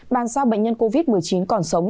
bàn sao bệnh nhân covid một mươi chín còn sống